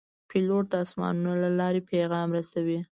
پیلوټ د آسمانونو له لارې پیغام رسوي.